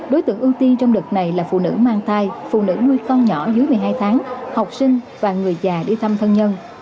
đối tượng ưu tiên trong đợt này là phụ nữ mang thai phụ nữ nuôi con nhỏ dưới một mươi hai tháng học sinh và người già đi thăm thân nhân